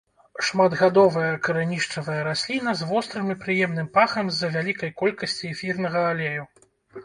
Шматгадовая карэнішчавая расліна з вострым і прыемным пахам з-за вялікай колькасці эфірнага алею.